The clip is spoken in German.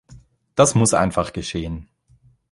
Das muss einfach geschehen.